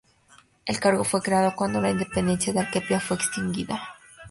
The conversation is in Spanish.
El cargo fue creado cuando la intendencia de Arequipa fue extinguida.